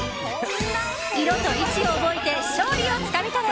色と位置を覚えて勝利をつかみ取れ！